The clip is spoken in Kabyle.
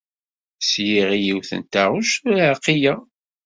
Sliɣ i yiwet n taɣect ur ɛqileɣ.